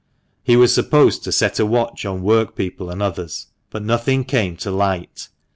He was supposed to set a watch on workpeople and others, but nothing came to light.